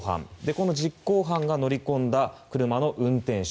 この実行犯が乗り込んだ車の運転手